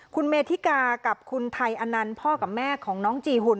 คุณเมธิกากับคุณไทยอนันต์พ่อกับแม่ของน้องจีหุ่น